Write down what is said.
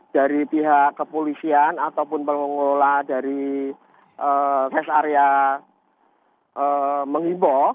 dari pihak kepolisian ataupun pengelola dari rest area mengimbau